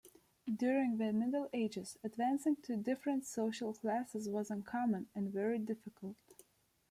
During the Middle Ages, advancing to different social classes was uncommon and very difficult.